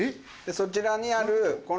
そちらにあるこの。